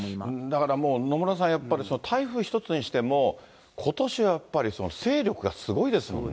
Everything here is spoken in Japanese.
だからもう、野村さん、やっぱり台風一つにしても、ことしはやっぱり勢力がすごいですよね。